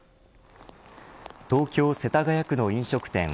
東京、世田谷区の飲食店